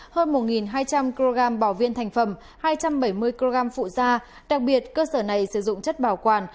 hơn một hai trăm linh kg bảo viên thành phẩm hai trăm bảy mươi kg phụ da đặc biệt cơ sở này sử dụng chất bảo quản